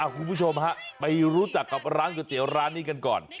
คุณผู้ชมฮะไปรู้จักกับร้านก๋วยเตี๋ยวร้านนี้กันก่อน